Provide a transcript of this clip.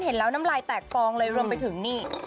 เห็นแล้วน้ำลายแตกฟองเลยรวมไปถึงนี่